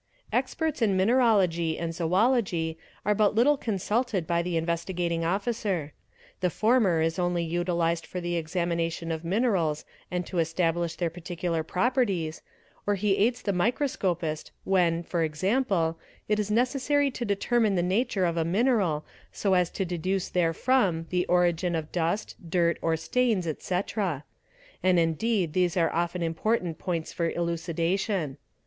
Experts in Mineralogy "® and Zoology are but little consulted by the Investigating Officer; the former is only utilized for the examination of minerals and to establish their particular properties, or he aids the micro scopist when, e.g., it 1s necessary to determine the nature of a mineral so as to deduce therefrom the origin of dust, dirt, or stains, etce. — and indeed these are often important points for elucidation.